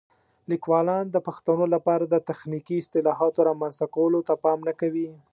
لیکوالان د پښتو لپاره د تخنیکي اصطلاحاتو رامنځته کولو ته پام نه کوي.